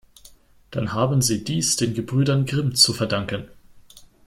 Dann haben Sie dies den Gebrüdern Grimm zu verdanken.